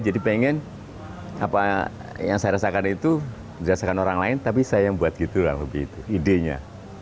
jadi pengen apa yang saya rasakan itu dirasakan orang lain tapi saya yang buat gitu lah kopi itu idenya